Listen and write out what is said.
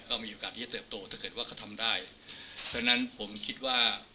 ก็มีโอกาสที่จะเติบโตถ้าเกิดว่าเขาทำได้ฉะนั้นผมคิดว่า